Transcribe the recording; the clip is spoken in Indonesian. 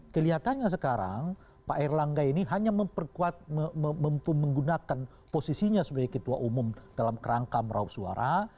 kelihatannya sekarang pak erlangga ini hanya memperkuat menggunakan posisinya sebagai ketua umum dalam kerangka meraup suara